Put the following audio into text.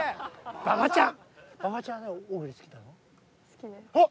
馬場ちゃん。